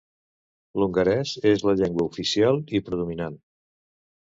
L'hongarès és la llengua oficial i predominant.